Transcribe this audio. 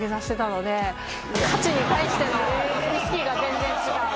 勝ちに対しての意識が全然違う。